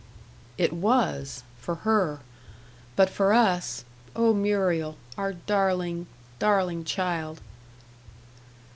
It WAS, for her. But for us Oh, Muriel, our darling darling child!